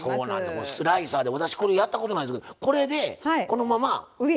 このスライサーで私これやったことないんですけどこれでこのまま皮のとこ持って。